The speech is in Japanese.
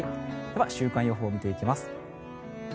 では、週間予報を見ていきます。